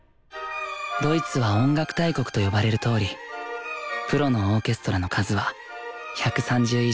ドイツは音楽大国と呼ばれるとおりプロのオーケストラの数は１３０以上。